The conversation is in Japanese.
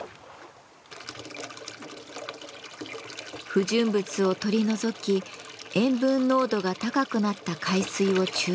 不純物を取り除き塩分濃度が高くなった海水を抽出します。